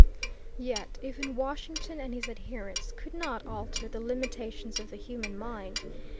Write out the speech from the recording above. Yet even Washington and his adherents could not alter the limitations of the human mind.